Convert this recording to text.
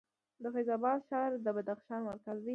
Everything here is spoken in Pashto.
د فیض اباد ښار د بدخشان مرکز دی